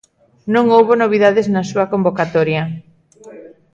Non houbo novidades na súa convocatoria.